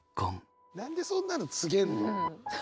何でそんなの告げるの？